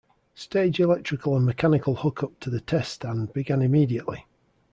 Stage electrical and mechanical hook-up to the test stand began immediately.